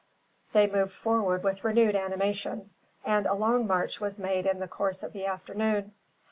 They moved forward with renewed animation; and a long march was made in the course of the afternoon.